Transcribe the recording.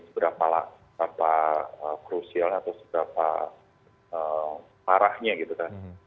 seberapa krusial atau seberapa parahnya gitu kan